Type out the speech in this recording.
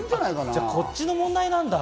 じゃあ、こっちの問題なんだ。